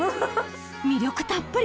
魅力たっぷり！